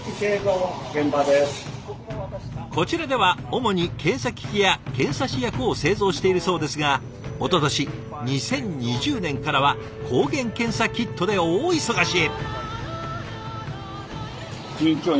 こちらでは主に検査機器や検査試薬を製造しているそうですがおととし２０２０年からは抗原検査キットで大忙し！